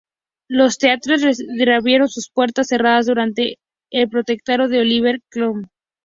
Los teatros reabrieron sus puertas, cerradas durante el protectorado de Oliver Cromwell.